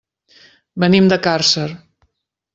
Venim de Càrcer.